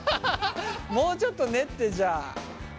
もうちょっと練ってじゃあ。